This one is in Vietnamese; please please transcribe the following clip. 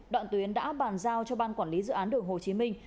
đoạn tuyến đã bàn giao cho ban quản lý dự án đường hồ chí minh